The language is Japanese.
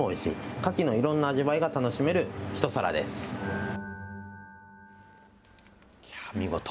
かきのいろんな味わいが楽しめる見事。